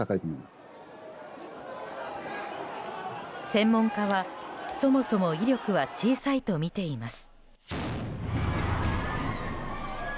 専門家は、そもそも威力は小さいとみています。